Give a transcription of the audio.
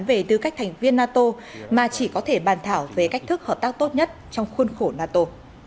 về tư cách thành viên nato mà chỉ có thể bàn thảo về cách thức hợp tác tốt nhất trong khuôn khổ nato